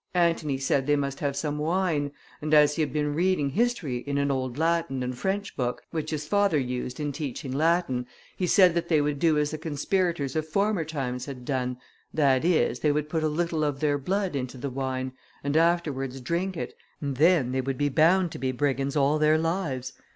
Antony said they must have some wine; and as he had been reading history in an old Latin and French book, which his father used in teaching Latin, he said that they would do as the conspirators of former times had done, that is, they would put a little of their blood into the wine, and afterwards drink it, and then they would be bound to be brigands all their lives.